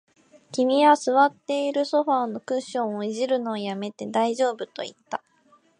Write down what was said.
君は座っているソファーのクッションを弄るのを止めて、大丈夫と言った